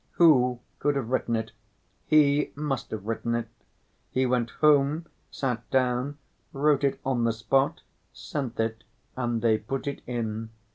Who could have written it? He must have written it. He went home, sat down, wrote it on the spot, sent it, and they put it in.